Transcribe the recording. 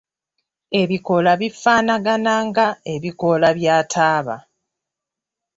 Ebikoola bifaanagana ng'ebikoola bya taaba.